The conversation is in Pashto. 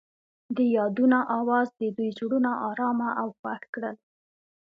د یادونه اواز د دوی زړونه ارامه او خوښ کړل.